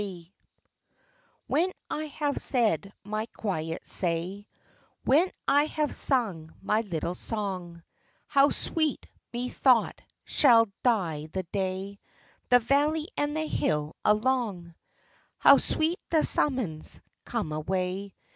T X 7HEN I have said my quiet say, ' v When I have sung my little song How sweet, methought, shall die the day The valley and the hill along ! How sweet the summons, " Come away